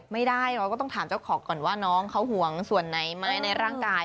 ไม่ได้เราก็ต้องถามเจ้าของก่อนว่าน้องเขาห่วงส่วนไหนไหมในร่างกาย